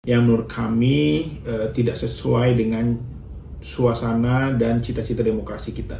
yang menurut kami tidak sesuai dengan suasana dan cita cita demokrasi kita